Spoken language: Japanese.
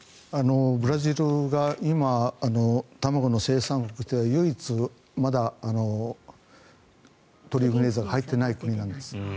ブラジルが今卵の生産国としては唯一まだ鳥インフルエンザが入ってない国なんです。